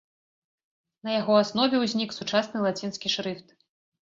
На яго аснове ўзнік сучасны лацінскі шрыфт.